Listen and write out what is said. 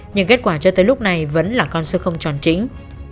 nhưng kết quả cho tới lúc này vẫn là con số không tròn chính